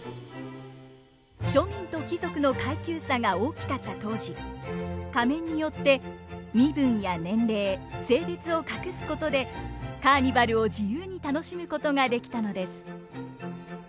庶民と貴族の階級差が大きかった当時仮面によって身分や年齢性別を隠すことでカーニバルを自由に楽しむことができたのです。